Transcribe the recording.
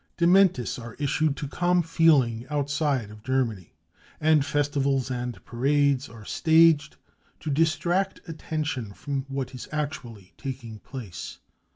Dementis are issued to calm feeling out side of Germany, and festivals and parades are staged to distract attention from what is actually taking place.